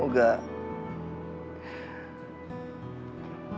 pendengar suara hati ibu